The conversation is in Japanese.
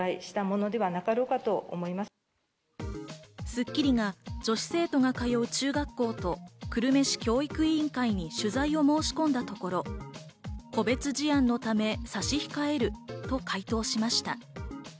『スッキリ』が、女子生徒が通う中学校と久留米市教育委員会に取材を申し込んだところ、個別事案のため差し控えると回答しました。